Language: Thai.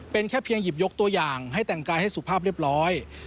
เป็นแค่เพียงหยิบยกตัวอย่างให้แต่งกายให้สุภาพเรียบร้อย